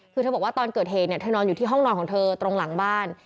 คือเธอบอกว่าตอนเกิดเหตุเนี่ยเธอนอนอยู่ที่ห้องนอนของเธอตรงหลังบ้าน